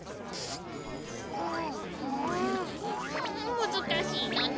むずかしいのね！